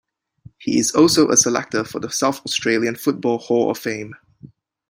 He is also a selector for the South Australian Football Hall of Fame.